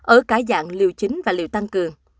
ở cả dạng liều chính và liều tăng cường